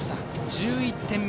１１点目。